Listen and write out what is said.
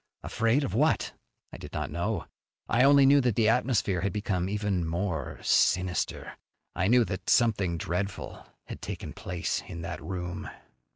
Afraid of what? I did not know. I only knew that the atmosphere had become even more sinister. I knew that something dreadful had taken place in that room.